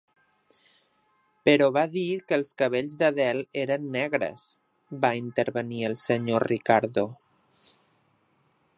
"Però va dir que els cabells d'Adele eren negres", va intervenir el senyor Ricardo.